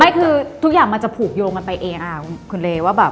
ไม่คือทุกอย่างมันจะผูกโยงกันไปเองคุณเลว่าแบบ